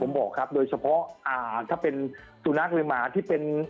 ผมบอกครับโดยเฉพาะอ่าถ้าเป็นสุนัขหรือหมาที่เป็น